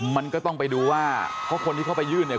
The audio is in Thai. มันก็ต้องไปดูว่าเพราะคนที่เข้าไปยื่นเนี่ย